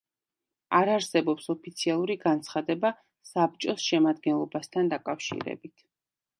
არ არსებობს ოფიციალური განცხადება საბჭოს შემადგენლობასთან დაკავშირებით.